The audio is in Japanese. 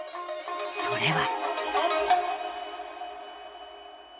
それは。